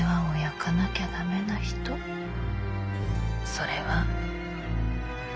それは。